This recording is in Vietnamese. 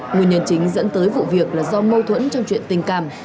nguyên nhân chính dẫn tới vụ việc là do mâu thuẫn trong chuyện tình cảm